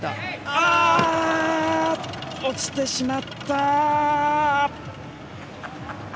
落ちてしまった。